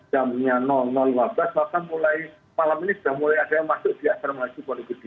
jamnya lima belas maka mulai malam ini sudah mulai ada yang masuk di asar melayu pondi kedih